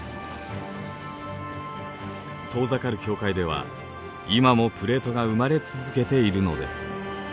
遠ざかる境界では今もプレートが生まれ続けているのです。